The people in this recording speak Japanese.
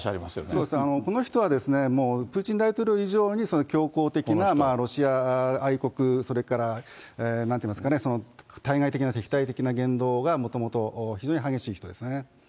そうですね、この人はプーチン大統領以上に強硬的なロシア愛国、それからなんて言いますかね、対外的な、敵対的な言動がもともと非常に激しい人ですね。